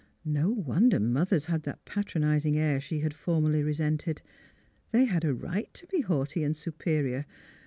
No wonder mothers had that patronising air she had formerly resented. They had a right to be haughty and superior.